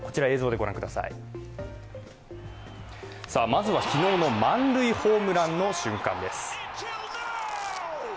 まずは昨日の満塁ホームランの瞬間です。